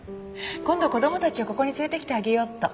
今度子供たちをここに連れてきてあげようっと。